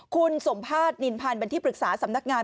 คุณสมภาษณินพันธ์เป็นที่ปรึกษาสำนักงาน